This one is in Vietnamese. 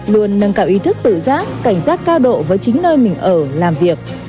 luôn nâng cao ý thức tự giác cảnh giác cao độ với chính nơi mình ở làm việc